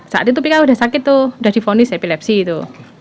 saat itu pika sudah sakit tuh udah difonis epilepsi itu